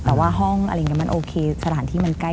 แต่ห้องมันโอเคสถานที่มันใกล้